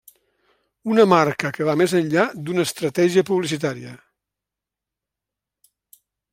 Una marca que va més enllà d'una estratègia publicitària.